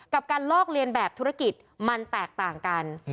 กับการลอกเลียนแบบธุรกิจมันแตกต่างกัน